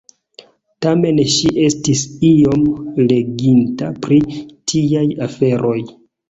Tamen ŝi estis iom leginta pri tiaj aferoj.